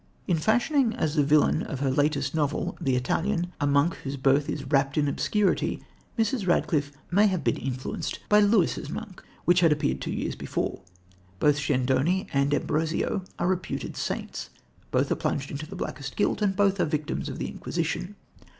In fashioning as the villain of her latest novel, The Italian, a monk, whose birth is wrapt in obscurity, Mrs. Radcliffe may have been influenced by Lewis's Monk which had appeared two years before. Both Schedoni and Ambrosio are reputed saints, both are plunged into the blackest guilt, and both are victims of the Inquisition.